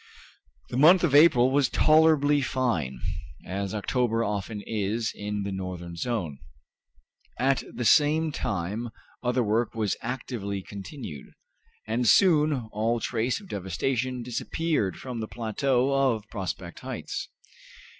The month of April was tolerably fine, as October often is in the northern zone. At the same time other work was actively continued, and soon all trace of devastation disappeared from the plateau of Prospect Heights.